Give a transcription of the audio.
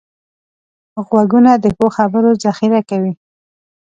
غوږونه د ښو خبرو ذخیره کوي